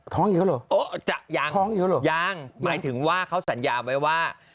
ท้องอยู่หรอท้องอยู่หรอยังหมายถึงว่าเขาสัญญาไว้ว่า